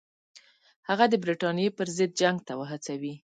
هغه د برټانیې پر ضد جنګ ته وهڅوي.